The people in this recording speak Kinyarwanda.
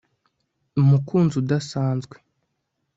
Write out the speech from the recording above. Umukunzi udasanzwe